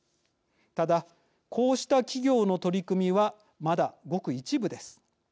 ただ、こうした企業の取り組みはまだ、ごく一部です。